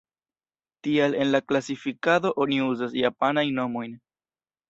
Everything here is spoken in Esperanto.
Tial en la klasifikado oni uzas japanajn nomojn.